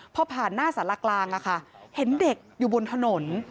พอผ่านหน้าสารกลางเห็นเด็กอยู่บนถนน